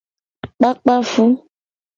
Kpakpa fu.